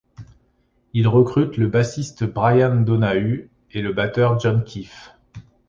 Il recrute le bassiste Bryan Donahue et le batteur John Keefe.